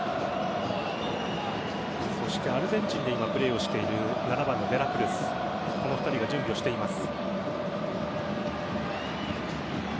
アルゼンチンで今プレーをしている７番のデラクルスこの２人が準備をしています。